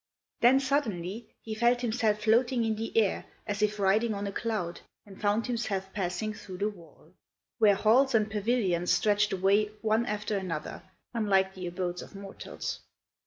Then, suddenly, he felt himself floating in the air, as if riding on a cloud, and found himself passing through the wall, where halls and pavilions stretched away one after another, unlike the abodes of mortals.